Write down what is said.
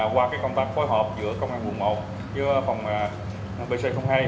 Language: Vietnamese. qua công tác phối hợp giữa công an vùng một với phòng bc hai